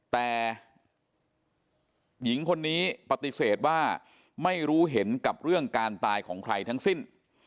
แต่หญิงคนนี้ปฏิเสธว่าไม่รู้เห็นกับเรื่องการตายของใครทั้งสิ้น